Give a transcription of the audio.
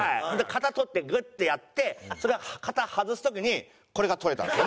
型取ってグッてやってそれを型外す時にこれが取れたんですよね。